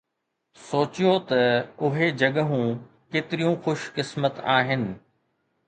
سوچيو ته اهي جڳهون ڪيتريون خوش قسمت آهن